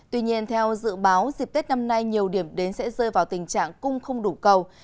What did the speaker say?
tuy nhiên theo dự báo dịp tết năm nay nhiều điểm đến sẽ rơi vào tình trạng cung không đủ cầu